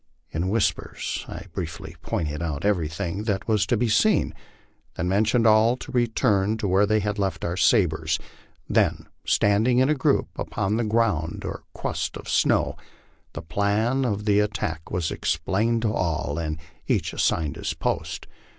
In whispers I briefly pointed out everything that was to be seen, then motioned all to return to where we had left our sabres ; then, standing in a group upon the ground or crust of snow, the plan of the attack was explained to all and each assigned his part.